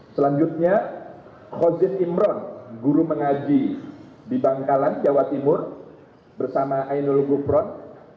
selanjutnya khoziz imron guru mengaji di bangkalan jawa timur bersama ainul gufron